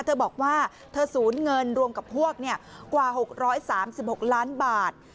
เธอบอกว่าเธอสูญเงินรวมกับพวกกว่า๖๓๖ล้านบาท